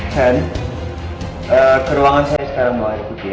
sen keruangan saya sekarang mau air putih ya